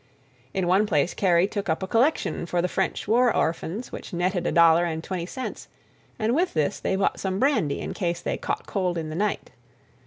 In one place Kerry took up a collection for the French War Orphans which netted a dollar and twenty cents, and with this they bought some brandy in case they caught cold in the night.